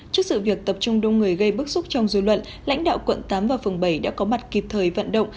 trước sự việc tập trung đông người gây bức xúc trong dư luận lãnh đạo quận tám và phường bảy đã có mặt kịp thời vận động